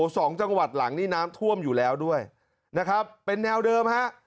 สองจังหวัดหลังนี่น้ำท่วมอยู่แล้วด้วยนะครับเป็นแนวเดิมฮะ